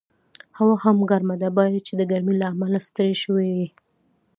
هوا هم ګرمه ده، باید چې د ګرمۍ له امله ستړی شوي یې.